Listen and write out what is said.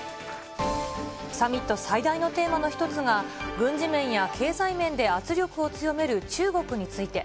サミット最大のテーマの一つが、軍事面や経済面で圧力を強める中国について。